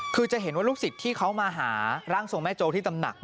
คือจะเห็นว่าลูกศิษย์ที่เขามาหาร่างทรงแม่โจ๊ที่ตำหนัก